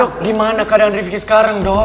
dok gimana keadaan rivki sekarang dok